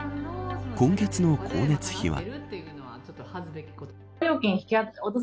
今月の光熱費は。